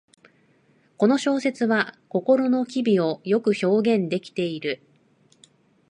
この小説は心の機微をよく表現できている